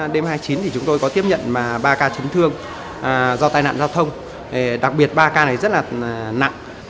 đêm hai mươi chín thì chúng tôi có tiếp nhận ba ca chấn thương do tai nạn giao thông đặc biệt ba ca này rất là nặng